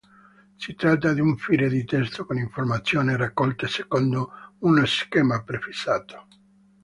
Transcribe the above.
Si tratta di un file di testo con informazioni raccolte secondo uno schema prefissato.